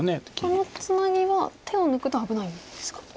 このツナギは手を抜くと危ないんですか。